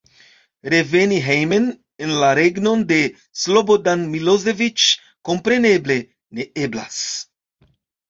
Reveni hejmen en la regnon de Slobodan Miloseviĉ, kompreneble, ne eblas.